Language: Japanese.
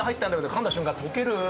かんだ瞬間とける。